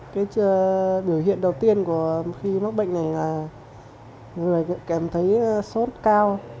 cái biểu hiện đầu tiên của khi mắc bệnh này là người kèm thấy sốt cao